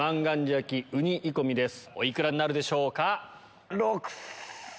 お幾らになるでしょうか？